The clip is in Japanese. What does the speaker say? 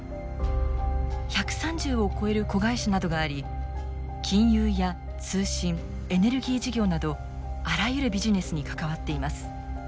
１３０を超える子会社などがあり金融や通信エネルギー事業などあらゆるビジネスに関わっています。